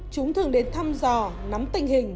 chúng thường đến thăm dò nắm tình hình